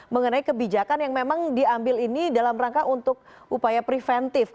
mengenai kebijakan yang memang diambil ini dalam rangka untuk upaya preventif